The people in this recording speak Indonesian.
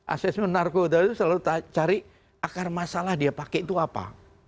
asesmen narkoba itu selalu cari akar masalah dia pakai itu apa